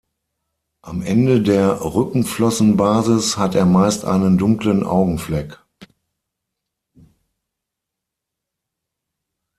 Am Ende der Rückenflossenbasis hat er meist einen dunklen Augenfleck.